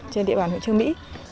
trên địa bàn hội chương mỹ